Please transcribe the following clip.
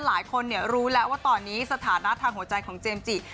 หลายคนรู้แล้วว่าตอนนี้สถานะทางหัวใจของเจมส์จิ